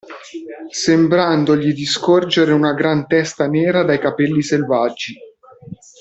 Sembrandogli di scorgere una gran testa nera dai capelli selvaggi.